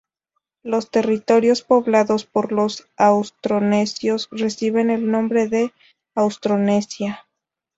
Los territorios poblados por los austronesios reciben el nombre de "Austronesia".